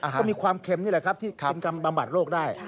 ก็มีความเค็มนี่แหละครับที่เป็นการบำบัดโรคได้